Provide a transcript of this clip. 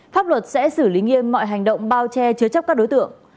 pháp luật sẽ xử lý nghiêm mọi hành động bao che chứa chấp các đối tượng